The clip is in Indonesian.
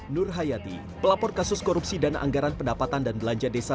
nur hayati pelapor kasus korupsi dana anggaran pendapatan dan belanja desa